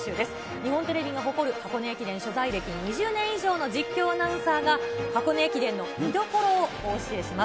日本テレビが誇る、箱根駅伝取材歴２０年以上の実況アナウンサーが、箱根駅伝の見どころをお教えします。